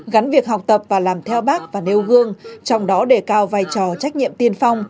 gắn việc học tập và làm theo bác và nêu gương trong đó đề cao vai trò trách nhiệm tiên phong